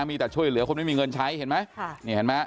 มีแต่ช่วยเหลือควรไม่มีเงินใช้เห็นไหม